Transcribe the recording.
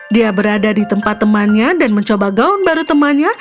dia berada di tempat temannya dan mencoba gaun baru temannya